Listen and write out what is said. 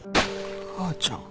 母ちゃん？